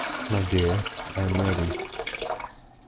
My dear, I am ready!